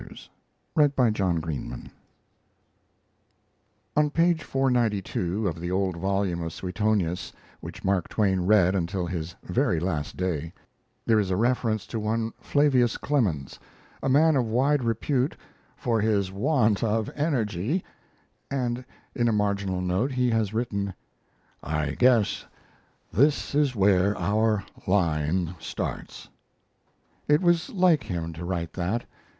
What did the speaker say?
MARK TWAIN A BIOGRAPHY I. ANCESTORS On page 492 of the old volume of Suetonius, which Mark Twain read until his very last day, there is a reference to one Flavius Clemens, a man of wide repute "for his want of energy," and in a marginal note he has written: "I guess this is where our line starts." It was like him to write that.